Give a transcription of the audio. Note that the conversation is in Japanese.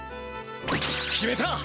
決めた！